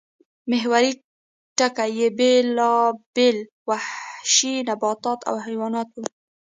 محوري ټکی یې بېلابېل وحشي نباتات او حیوانات وو